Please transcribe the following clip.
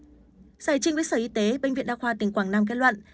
giải trình với sở y tế bệnh viện đa khoa tỉnh quảng nam kết luận